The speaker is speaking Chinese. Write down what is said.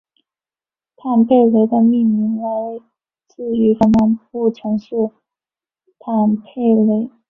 坦佩雷的命名来自于芬兰南部城市坦佩雷。